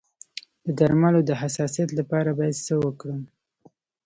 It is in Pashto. د درملو د حساسیت لپاره باید څه وکړم؟